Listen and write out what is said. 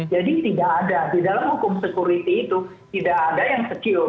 jadi tipa yang baik dalam pengelolaan data adalah